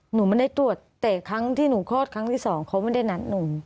หนูไม่ได้ตรวจแต่ครั้งที่หนูคลอดครั้งที่สองเขาไม่ได้นัดหนู